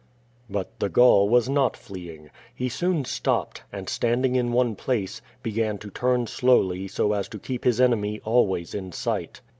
But the Gaul was not fleeing. He soon stopped, and, stand ing in one place, began to turn slowly so as to keep his enemy always in sight.